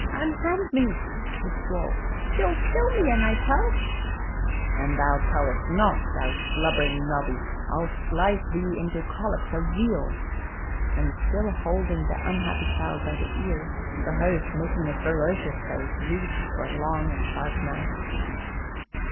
"Unhand me!" he squalled. "She'll kill me, an I tell." "An thou tellest not, thou slubbering noddy, I'll slice thee into collops of veal." And still holding the unhappy child by the ear, the host, making a ferocious face, reached for a long and sharp knife.